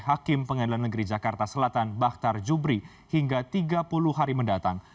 hakim pengadilan negeri jakarta selatan bahtar jubri hingga tiga puluh hari mendatang